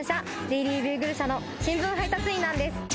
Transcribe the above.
デイリー・ビューグル社の新聞配達員なんです